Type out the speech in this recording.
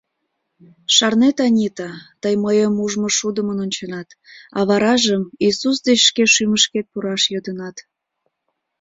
Шарнет, Анита, тый мыйым ужмышудымын онченат, а варажым Иисус деч шке шӱмышкет пураш йодынат.